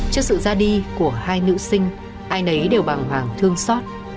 trước sự ra đi của hai nữ sinh ai nấy đều bàng hoàng thương xót